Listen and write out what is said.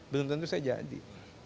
belum tentu saya jadi